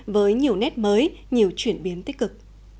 với nhiều nét mới nhiều chuyển biến tích cực